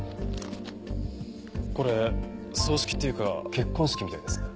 これ葬式っていうか結婚式みたいですね。